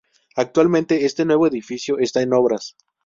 Actualmente este nuevo edificio está en obras.